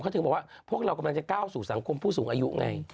เขาถึงบอกว่าพวกเรากำลังจะก้าวสู่สังคมผู้สูงอายุไง